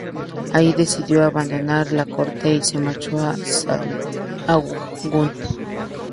Ahí decidió abandonar la corte y se marchó a Sahagún.